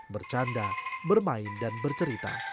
bercanda bermain dan bercerita